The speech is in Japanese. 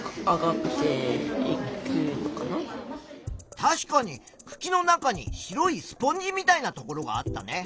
確かにくきの中に白いスポンジみたいなところがあったね。